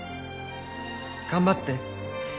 頑張って。